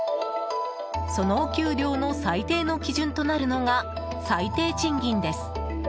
そのお給料の最低の基準となるのが最低賃金です。